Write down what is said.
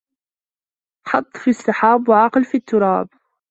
حظ في السحاب وعقل في التراب